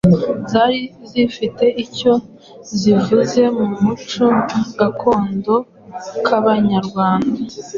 zari zifite icyo zivuze mu muco gakondo kabanyarwanda.